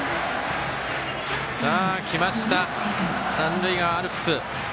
きました、三塁側アルプス。